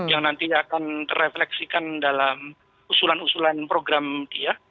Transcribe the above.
yang nanti akan terefleksikan dalam usulan usulan program dia